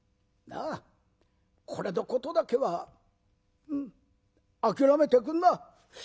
なあこれのことだけはうん諦めてくんな」。